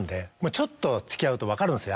ちょっと付き合うと分かるんですよ